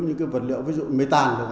những vật liệu ví dụ mê tàn